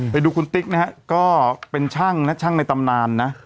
ไปดูคุณติ๊กนะฮะก็เป็นช่างนะช่างในตำนานนะ